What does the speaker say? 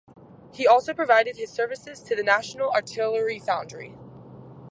He also provided his services to the National Artillery Foundry.